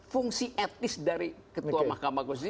fungsi etnis dari ketua mahkamah kursi